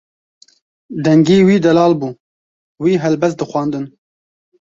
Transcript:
Dengê wî delal bû, wî helbest dixwandin.